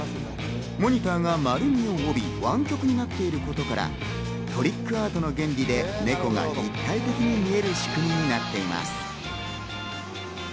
モニターが丸みを帯びわん曲になっていることから、トリックアートの原理でネコが立体的に見える仕組みになっています。